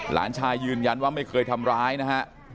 หลานชายยืนยันว่าไม่เคยทำร้ายนะฮะ